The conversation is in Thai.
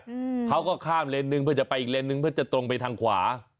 อืมเขาก็ข้ามเลนนึงเพื่อจะไปอีกเลนสนึงเพื่อจะตรงไปทางขวา